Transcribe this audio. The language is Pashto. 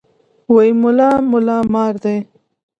وې ملا ملا مار دی.